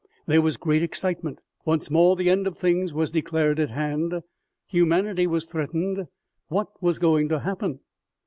There was great excitement. Once more the end of things was declared at hand. Humanity was threatened. What was going to happen